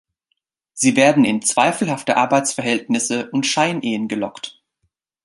Sie werden in zweifelhafte Arbeitsverhältnisse und Scheinehen gelockt.